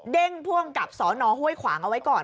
เด้งพ่วงกับสอนอ้อห้วยขวางเอาไว้ก่อน